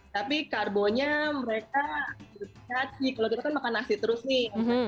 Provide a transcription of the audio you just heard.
tapi karbonnya mereka sih kalau kita kan makan nasi terus nih